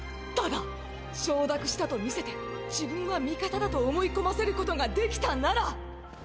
だが承諾したと見せて自分は味方だと思い込ませることができたなら！